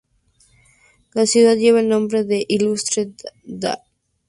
La ciudad lleva el nombre del ilustre Dr.